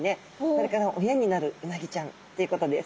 これから親になるうなぎちゃんっていうことです。